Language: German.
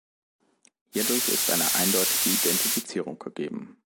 Hierdurch ist eine eindeutige Identifizierung gegeben.